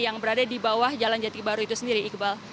yang berada di bawah jalan jati baru itu sendiri iqbal